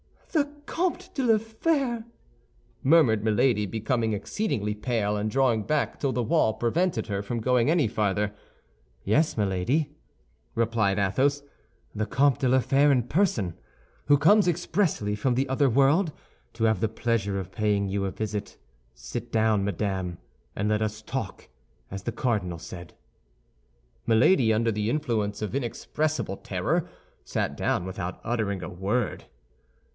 "The Comte de la Fère!" murmured Milady, becoming exceedingly pale, and drawing back till the wall prevented her from going any farther. "Yes, Milady," replied Athos; "the Comte de la Fère in person, who comes expressly from the other world to have the pleasure of paying you a visit. Sit down, madame, and let us talk, as the cardinal said." Milady, under the influence of inexpressible terror, sat down without uttering a word.